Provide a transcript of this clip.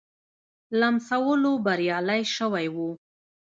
لمسولو بریالی شوی وو.